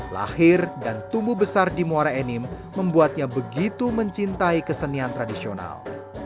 lahir dan tumbuh besar di muara enim membuatnya begitu mencintai kesenian tradisional